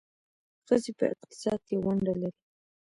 ښځې په اقتصاد کې ونډه لري.